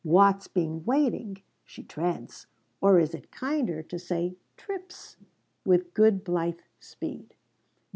Watts being waiting, she treads or is it kinder to say trips? with good blithe speed.